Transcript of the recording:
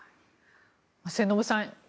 末延さん